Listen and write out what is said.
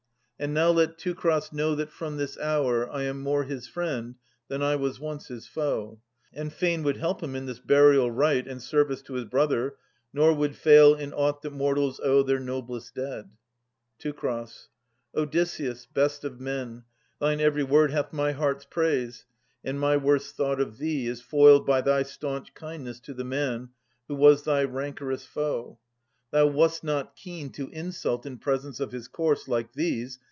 And now let Teucer know that from this hour I am more his friend than I was once his foe, And fain would help him in this burial rite And service to his brother, nor would fail In aught that mortals owe their noblest dead. Teu. Odysseus, best of men, thine every word Hath my heart's praise, and my worst thought of thee Is foiled by thy staunch kindness to the man Who was thy rancorous foe. Thou wast not keen To insult in presence of his corse, like these.